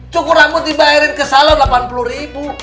cukur rambut dibayarin ke salon rp delapan puluh ribu